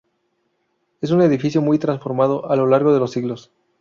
Es un edificio muy transformado a lo largo de los siglos.